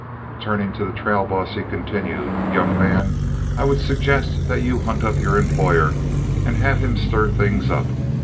Turning to the trail boss he continued: "Young man, I would suggest that you hunt up your employer and have him stir things up.